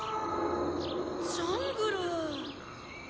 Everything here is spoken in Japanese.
ジャングル。